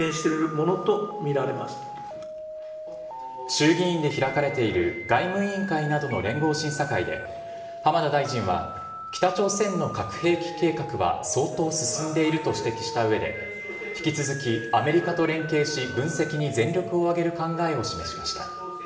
衆議院で開かれている外務委員会などの連合審査会で浜田大臣は北朝鮮の核兵器計画は相当進んでいると指摘した上で引き続き、アメリカと連携し分析に全力を挙げる考えを示しました。